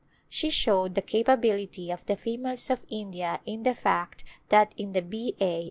She showed the capability of the females of India in the fact that in the B. A.